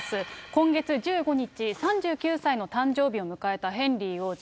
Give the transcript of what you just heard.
今月１５日、３９歳の誕生日を迎えたヘンリー王子。